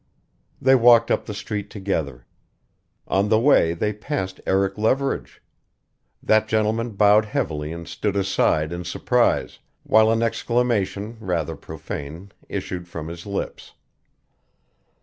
They walked up the street together. On the way they passed Eric Leverage. That gentleman bowed heavily and stood aside in surprise, while an exclamation, rather profane, issued from his lips.